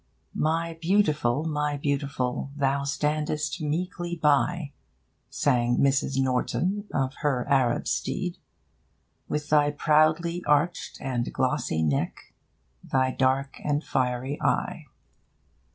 'My beautiful, my beautiful, thou standest meekly by,' sang Mrs. Norton of her Arab steed, 'with thy proudly arched and glossy neck, thy dark and fiery eye.'